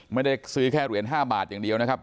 ไม่ได้ซื้อแค่เหรียญ๕บาทอย่างเดียวนะครับ